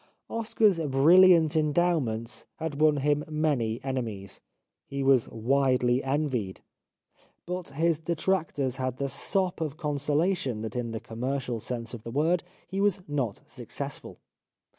Oscar's brilliant endowments had won him many enemies. He was widely envied. But 3" The Life of Oscar Wilde his detractors had the sop of consolation that in the commercial sense of the word he was not successful.